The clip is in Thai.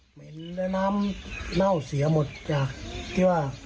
เหม็นแล้วน้ำเน่าเสียหมดจากที่ว่า